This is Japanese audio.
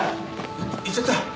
行っちゃった。